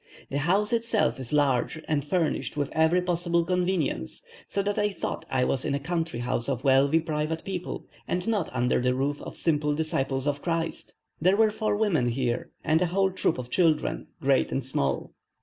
The house itself is large, and furnished with every possible convenience, so that I thought I was in the country house of wealthy private people, and not under the roof of simple disciples of Christ. There were four women here, and a whole troop of children, great and small.